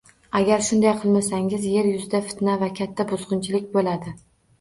Agar shunday qilmasangiz, yer yuzida fitna va katta buzgʻunchilik boʻladi